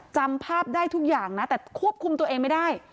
จำภาพได้ทุกอย่างนะแต่ควบคุมตัวเองไม่ได้